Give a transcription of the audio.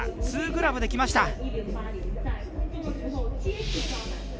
ツーグラブできました。